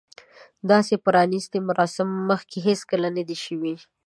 داسې د پرانیستې مراسم مخکې هیڅکله نه دي شوي.